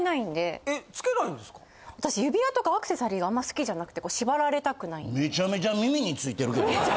私指輪とかアクセサリーがあんまり好きじゃくてこう縛られたくないんで。